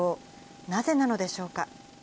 なぜなのでしょうか。